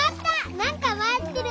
なんかまわってる！